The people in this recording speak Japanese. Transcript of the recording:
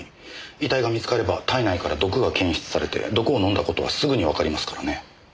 遺体が見つかれば体内から毒が検出されて毒を飲んだ事はすぐにわかりますからね。